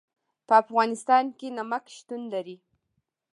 په افغانستان کې نمک شتون لري.